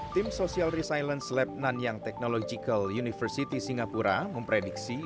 tim social resilience lab nanyang technological university singapura memprediksi